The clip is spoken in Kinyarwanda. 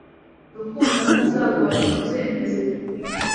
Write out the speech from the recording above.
rukundo ntazagora kubyemeza